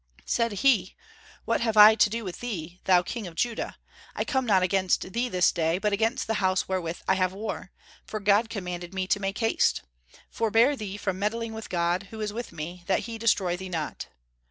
Said he: "What have I to do with thee, thou King of Judah? I come not against thee this day, but against the house wherewith I have war; for God commanded me to make haste. Forbear thee from meddling with God, who is with me, that he destroy thee not."